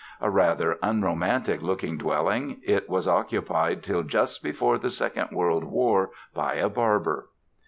A rather unromantic looking dwelling, it was occupied till just before the Second World War by a barber.